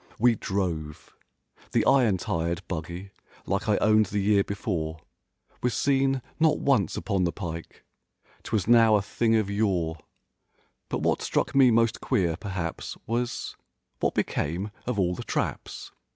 We drove. The iron tired buggy like I owned the year before. Was seen not once upon the pike, 'Twas now a thing of yore— But what struck me most queer, perhaps Was—"What became of all the traps?"